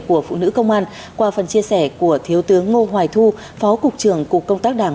của phụ nữ công an qua phần chia sẻ của thiếu tướng ngô hoài thu phó cục trưởng cục công tác đảng